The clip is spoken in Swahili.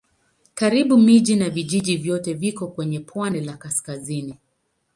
Karibu miji na vijiji vyote viko kwenye pwani la kaskazini.